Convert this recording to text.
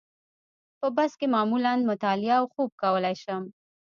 په بس کې معمولاً مطالعه او خوب کولای شم.